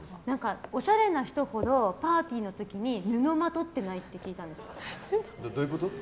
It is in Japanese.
おしゃれな人ほどパーティーの時に布をまとってないって聞いたんです。